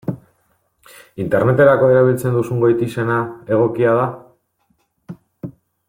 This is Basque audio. Interneterako erabiltzen duzun goitizena egokia da?